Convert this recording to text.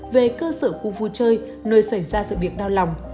về cơ sở khu vui chơi nơi xảy ra sự việc đau lòng